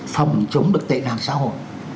phòng chống được tệ nạn xã hội